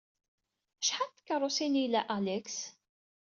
Acḥal n tkeṛṛusin ay ila Alex?